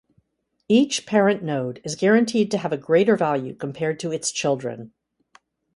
Each parent node is guaranteed to have a greater value compared to its children.